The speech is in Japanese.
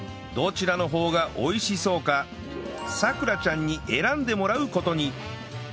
どちらの方が美味しそうかさくらちゃんに選んでもらう事に